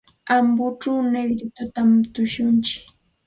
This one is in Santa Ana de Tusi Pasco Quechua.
Ambochaw Negritotami tushuntsik.